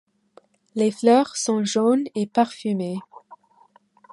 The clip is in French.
Les fleurs sont jaunes et parfumées.